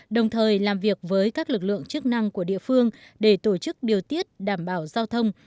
đồng thời làm việc với các lực lượng chức năng của địa phương để tổ chức điều tiết đảm bảo giao thông